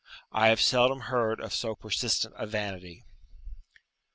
I have seldom heard of so persistent a vanity.